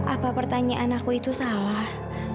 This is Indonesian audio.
apa pertanyaan aku itu salah